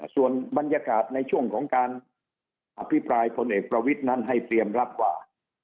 ส่วนบรรยากาศในช่วงของการอภิปรายพลเอกประวิทย์นั้นให้เตรียมรับว่า